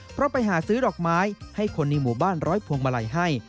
เพราะไปหาซื้อดอกไม้ให้คนในหมู่บ้านร้อยพวงมาลัยให้